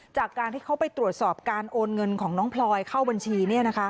จากการที่เขาไปตรวจสอบการโอนเงินของน้องพลอยเข้าบัญชี